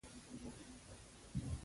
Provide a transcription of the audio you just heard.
هڅه د ژوند د دوام زېږنده ده.